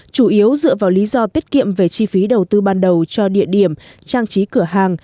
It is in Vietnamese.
chủ yếu dựa vào lý do tiết kiệm về chi phí đầu tư ban đầu cho địa điểm trang trí cửa hàng